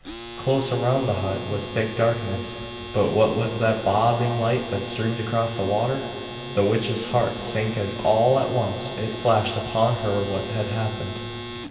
Close around the hut was thick darkness, but what was that bobbing light that streamed across the water? The witch's heart sank as all at once it flashed upon her what had happened.